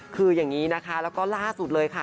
คืออย่างนี้นะคะแล้วก็ล่าสุดเลยค่ะ